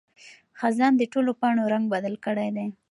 خزان د ټولو پاڼو رنګ بدل کړی دی.